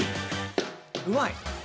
うまい！